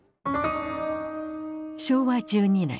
昭和１２年。